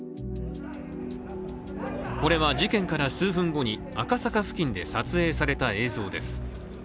これは事件から数分後に赤坂付近で撮影された映像です。